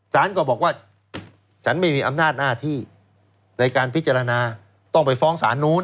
สารก็บอกว่าฉันไม่มีอำนาจหน้าที่ในการพิจารณาต้องไปฟ้องศาลนู้น